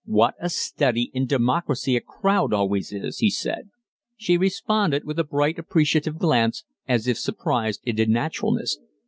"What a study in democracy a crowd always is!" he said. She responded with a bright, appreciative glance, as if surprised into naturalness.